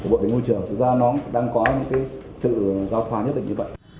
bộ y tế môi trường thực ra nó đang có sự giao thoả nhất định như vậy